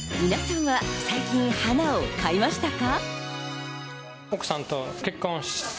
皆さんは最近、花を買いましたか？